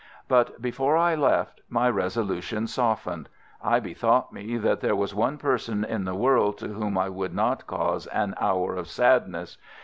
But before I left my resolution softened. I bethought me that there was one person in the world to whom I would not cause an hour of sadness.